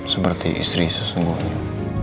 seperti istri sesungguhnya